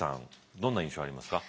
どんな印象ありますか？